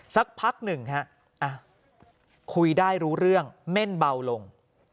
สักพักหนึ่งฮะคุยได้รู้เรื่องเม่นเบาลง